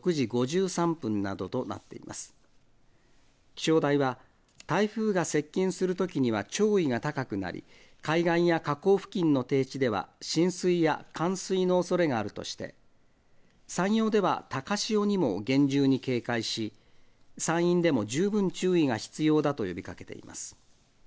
気象台は台風が接近するときには潮位が高くなり海岸や河口付近の低地では浸水や冠水のおそれがあるとして山陽では高潮にも厳重に警戒し山陰でも十分注意が必要だと呼びかけています。